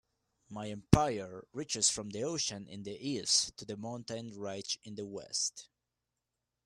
My empire reaches from the ocean in the East to the mountain ridge in the West.